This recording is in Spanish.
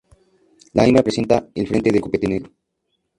La hembra presenta el frente del copete negro.